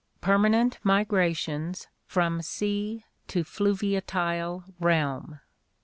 Permanent Migrations from Sea to Fluviatile Realm.